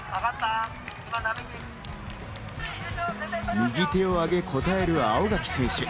右手を上げ応える青柿選手。